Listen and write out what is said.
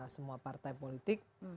semua partai politik